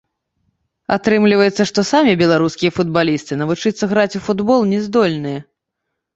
Атрымліваецца, што самі беларускія футбалісты навучыцца граць у футбол не здольныя.